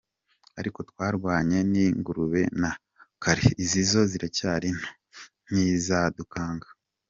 Ariko twarwanye n’ingurube na kare izi zo ziracyari nto ntizadukanga,”